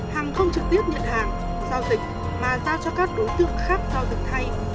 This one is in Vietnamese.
hằng không trực tiếp nhận hàng giao dịch mà giao cho các đối tượng khác giao dịch thay